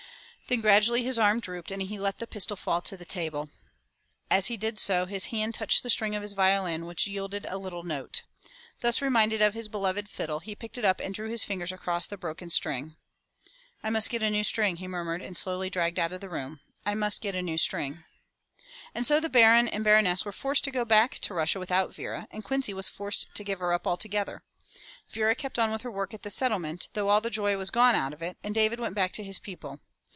Then gradually his arm drooped and he let the pistol fall to the table. As he did so, his hand touched the string of his violin which yielded a little note. Thus reminded of his beloved fiddle, he picked it up and drew his fingers across the broken string. "I must get a new string," he murmured and slowly dragged out of the room. '*I must get a new string." And so the Baron and Baroness were forced to go back to Russia without Vera, and Quincy was forced to give her up altogether. Vera kept on with her work at the Settlement though all the joy was gone out of it, and David went back to his people.